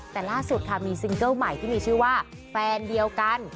แต่ล่าสุดค่ะมีซิงเกิ้ลใหม่ที่มีชื่อว่าแฟนเดียวกัน